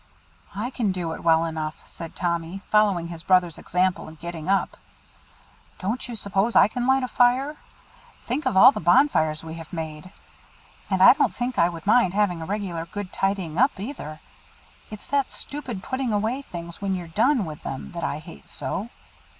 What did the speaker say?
"I can do it well enough," said Tommy, following his brother's example and getting up. "Don't you suppose I can light a fire? Think of all the bonfires we have made! And I don't think I should mind having a regular good tidy up either. It's that stupid putting away things when you've done with them that I hate so!"